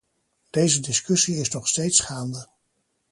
Deze discussie is nog steeds gaande.